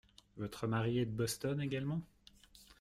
Votre mari est de Boston également ?